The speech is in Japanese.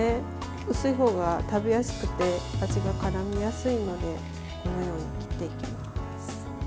薄いほうが食べやすくて味が絡みやすいのでこのように切っていきます。